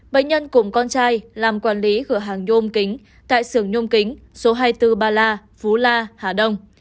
bệnh nhân cùng con trai làm quản lý cửa hàng nhôm kính tại xưởng nhôm kính số hai mươi bốn ba la phú la hà đông